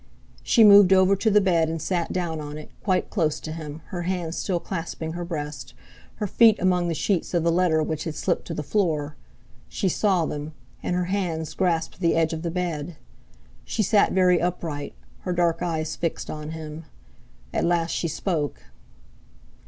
She moved over to the bed, and sat down on it, quite close to him, her hands still clasping her breast, her feet among the sheets of the letter which had slipped to the floor. She saw them, and her hands grasped the edge of the bed. She sat very upright, her dark eyes fixed on him. At last she spoke.